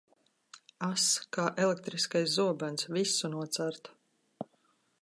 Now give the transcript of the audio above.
Ass kā elektriskais zobens, visu nocērt.